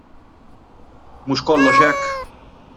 Mhux kollox hekk!